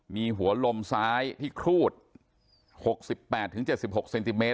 มีหัวลมซ้ายที่ครูด๖๘๗๖เซนติเมต